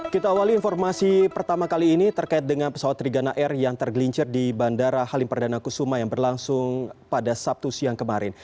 kita awali informasi pertama kali ini terkait dengan pesawat trigana air yang tergelincir di bandara halim perdana kusuma yang berlangsung pada sabtu siang kemarin